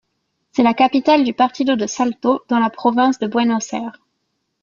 C'est la capitale du partido de Salto, dans la province de Buenos Aires.